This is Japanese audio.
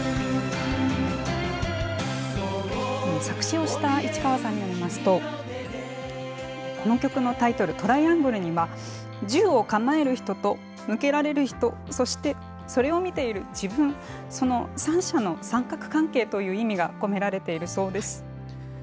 作詞をした市川さんによりますと、この曲のタイトル、Ｔｒｉａｎｇｌｅには、銃を構える人と向けられる人、そして、それを見ている自分、その三者の三角関係という意味が込められているそうです。